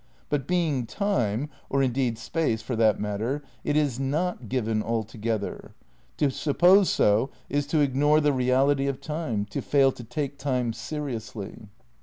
But being Time, (or indeed Space for that mat ter) it is not ... given altogether. To suppose so is to ignore the reality of Time, to fail to take Time seriously."